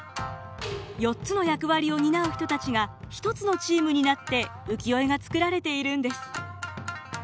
４つの役割を担う人たちが１つのチームになって浮世絵が作られているんです。